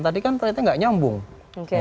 tadi kan ternyata gak nyambung oke